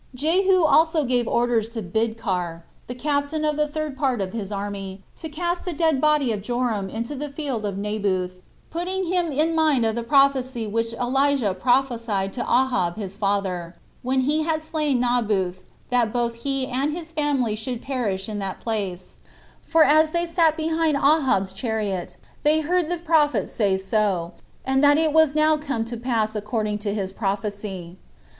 Jehu also gave orders to Bidkar, the captain of the third part of his army, to cast the dead body of Joram into the field of Naboth, putting him in mind of the prophecy which Elijah prophesied to Ahab his father, when he had slain Naboth, that both he and his family should perish in that place; for that as they sat behind Ahab's chariot, they heard the prophet say so, and that it was now come to pass according to his prophecy.